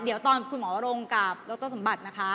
เดี๋ยวตอนคุณหมอวรงกับดรสมบัตินะคะ